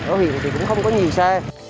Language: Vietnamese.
ở huyện thì cũng không có gì xa